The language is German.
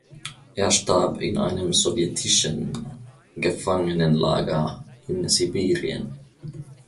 Er starb in einem sowjetischen Gefangenenlager in Sibirien.